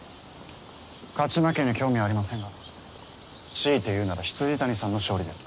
勝ち負けに興味はありませんが強いて言うなら未谷さんの勝利です。